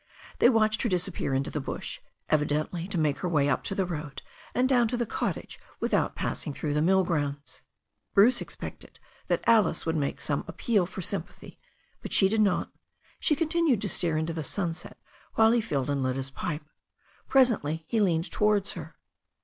They watched her disappear into the bush, evidently to make her way up to the road and down to the cottage without passing through the mill grounds. Bruce expected that Alice would make some appeal for sympathy, but she did not. She continued to stare into the sunset while he filled and lit his pipe. Presently he leaned towards her.